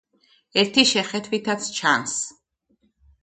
ერთი შეხედვითაც ჩანს.